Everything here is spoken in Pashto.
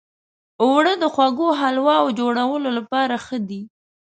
اوړه د خوږو حلوو جوړولو لپاره ښه دي